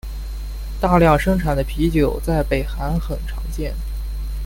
大量生产的啤酒在北韩很常见。